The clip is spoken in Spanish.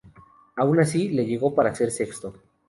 Aún así, le llegó para ser sexto.